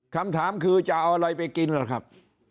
คำถามคือจะเอาอะไรไปกินล่ะครับ